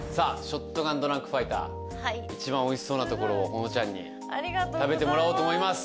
ショットガンドランクファイター一番おいしそうなところを保乃ちゃんに食べてもらおうと思います！